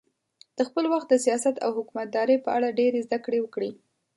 د خپل وخت د سیاست او حکومتدارۍ په اړه ډېرې زده کړې وکړې.